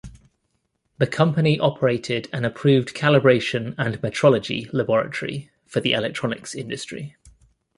The company operated an approved calibration and metrology laboratory for the electronics industry.